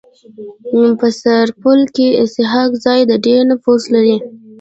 په سرپل کي اسحق زي د ډير نفوذ لري.